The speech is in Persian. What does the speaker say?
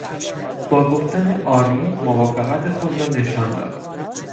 با گفتن "آری" موافقت خود را نشان دادن